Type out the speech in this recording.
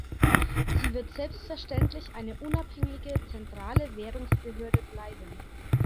Sie wird selbstverständlich eine unabhängige zentrale Währungsbehörde bleiben.